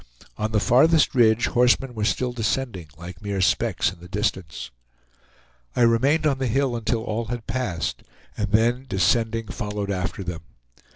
On the farthest ridge horsemen were still descending like mere specks in the distance. I remained on the hill until all had passed, and then, descending, followed after them.